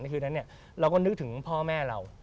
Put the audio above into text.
ที่คืนนั้นเนี่ยเราก็นึกถึงพ่อแม่เรา